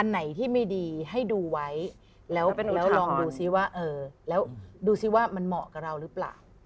อันไหนที่ไม่ดีให้ดูไว้แล้วลองดูสิว่ามันเหมาะกับเรารึเปล่า